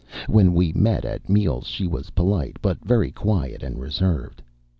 When we met at meals she was polite, but very quiet and reserved.